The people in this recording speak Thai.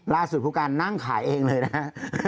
ล่าสุดผู้การนั่งขายเองเลยนะ